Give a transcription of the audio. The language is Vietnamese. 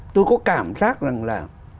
tôi có cảm giác rằng là